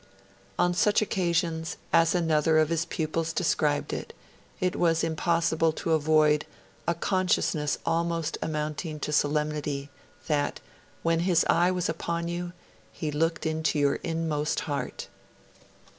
On such occasions, as another of his pupils described it, it was impossible to avoid 'a consciousness almost amounting to solemnity' that, 'when his eye was upon you, he looked into your inmost heart'.